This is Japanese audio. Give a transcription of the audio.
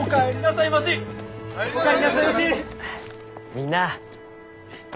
みんなあ。